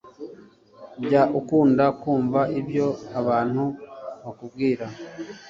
Jya ukunda kumva ibyo abantu bakubwira